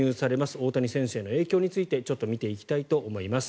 大谷選手への影響についてちょっと見ていきたいと思います。